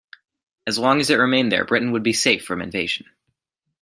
As long as it remained there, Britain would be safe from invasion.